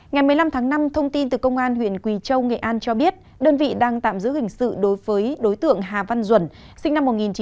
ngày một mươi năm tháng năm thông tin từ công an huyện quỳ châu nghệ an cho biết đơn vị đang tạm giữ hình sự đối với đối tượng hà văn duẩn sinh năm một nghìn chín trăm tám mươi